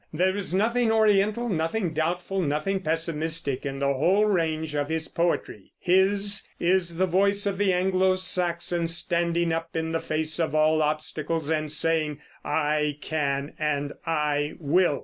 There is nothing Oriental, nothing doubtful, nothing pessimistic in the whole range of his poetry. His is the voice of the Anglo Saxon, standing up in the face of all obstacles and saying, "I can and I will."